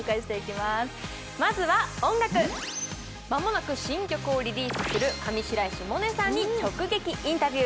まもなく新曲をリリースする上白石萌音さんにインタビュー。